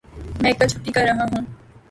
میں کل چھٹی کر ریا ہوں